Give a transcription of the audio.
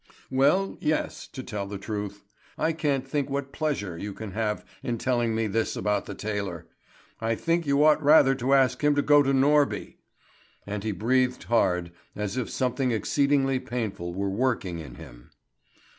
"Well, yes, to tell the truth. I can't think what pleasure you can have in telling me this about the tailor. I think you ought rather to ask him to go to Norby." And he breathed hard, as if something exceedingly painful were working in him.